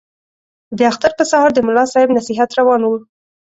د اختر په سهار د ملا صاحب نصیحت روان وو.